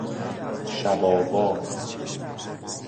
شب آوا